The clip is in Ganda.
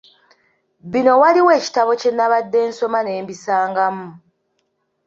Bino waliwo ekitabo kye nnabadde nsoma ne mbisangamu.